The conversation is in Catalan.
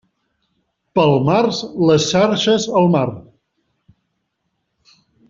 Per març, les xarxes al mar.